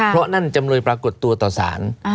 เพราะนั่นจำเลยปรากฏตัวต่อสาร